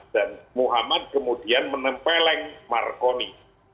dan muhammad kemudian menempeleng marconi